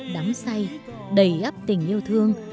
đắm say đầy ấp tình yêu thương